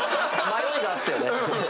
迷いがあったよね。